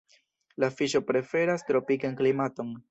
La fiŝo preferas tropikan klimaton.